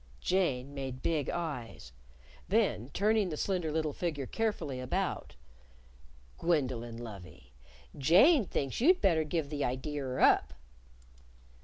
_" Jane made big eyes. Then turning the slender little figure carefully about, "Gwendolyn, lovie, Jane thinks you'd better give the idear up."